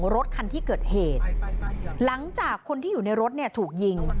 รถคันที่เกิดเหตุหลังจากคนที่อยู่ในรถเนี่ยถูกยิง